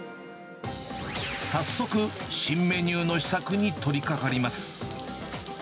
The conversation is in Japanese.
早速、新メニューの試作に取りかかります。